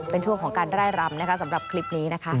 เป็นช่วงของการไล่รำนะคะสำหรับคลิปนี้นะคะ